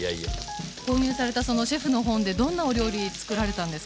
購入されたそのシェフの本でどんなお料理つくられたんですか？